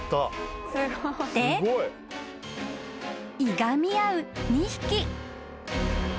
［いがみ合う２匹］